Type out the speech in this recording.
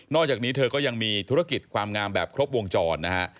อกจากนี้เธอก็ยังมีธุรกิจความงามแบบครบวงจรนะฮะ